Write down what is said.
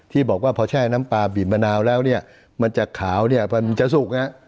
ที่บอกว่าพอแช่น้ำปลาบีบมะนาวแล้วเนี่ยมันจะขาวเนี่ยมันจะสุกนะ